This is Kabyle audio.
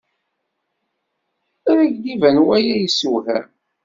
Ad ak-d-iban waya yessewham.